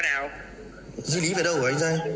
duy lý về đâu rồi anh ra